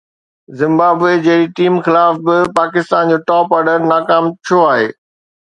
Zimbabwe جهڙي team خلاف به پاڪستان جو ٽاپ آرڊر ناڪام ڇو آهي؟